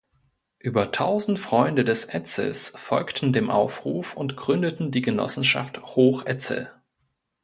Über tausend Freunde des Etzels folgten dem Aufruf und gründeten die Genossenschaft Hoch-Etzel.